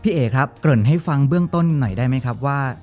เอ๋ครับเกริ่นให้ฟังเบื้องต้นหน่อยได้ไหมครับว่า